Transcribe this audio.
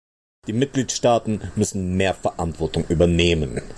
Die Mitgliedstaaten müssen mehr Verantwortung übernehmen.